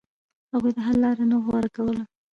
هغوی د حل لار نه غوره کوله.